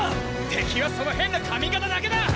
敵はその変な髪形だけだ！